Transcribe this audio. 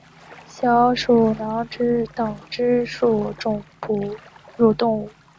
小囊鼠属等之数种哺乳动物。